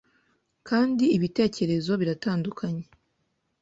kandi ibitekerezo biratandukanye